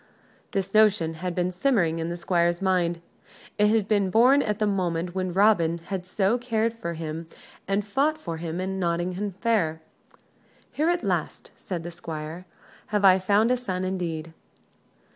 This notion had been simmering in the Squire's mind. It had been born at that moment when Robin had so cared for him and fought for him in Nottingham Fair. "Here, at last," said the Squire, "have I found a son, indeed."